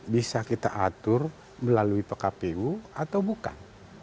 bisa kita atur melalui pkpu atau bukan